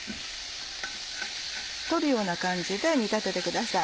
取るような感じで煮立ててください。